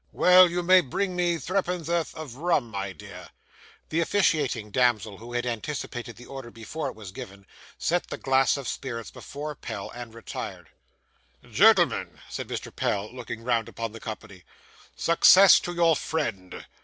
Well, you may bring me threepenn'orth of rum, my dear.' The officiating damsel, who had anticipated the order before it was given, set the glass of spirits before Pell, and retired. 'Gentlemen,' said Mr. Pell, looking round upon the company, 'success to your friend!